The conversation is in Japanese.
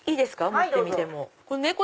持ってみても。